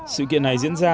sự kiện này diễn ra